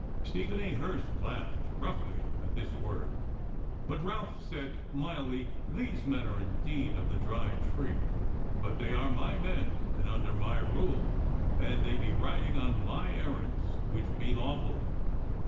Stephen a Hurst laughed roughly at this word, but Ralph said mildly: "These men are indeed of the Dry Tree, but they are my men and under my rule, and they be riding on my errands, which be lawful."